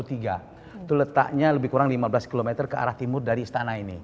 itu letaknya lebih kurang lima belas km ke arah timur dari istana ini